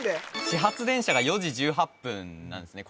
始発電車が４時１８分なんですね